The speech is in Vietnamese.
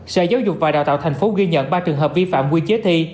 sở giáo dục và đào tạo thành phố ghi nhận ba trường hợp vi phạm quy chế thi